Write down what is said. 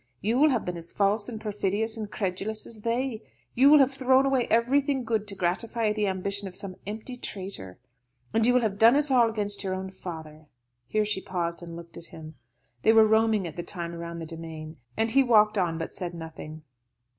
You will have been as false and perfidious and credulous as they. You will have thrown away everything good to gratify the ambition of some empty traitor. And you will have done it all against your own father." Here she paused and looked at him. They were roaming at the time round the demesne, and he walked on, but said nothing.